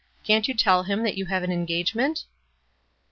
Can't you tell him that you have an engage ment?"